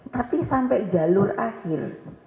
tapi sampai jalur akhir